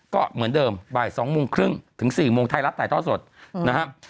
ก็เหมือนเดิมบ่าย๒โมงครึ่งถึง๔โมงไทยรัฐถ่ายท่อสดนะครับ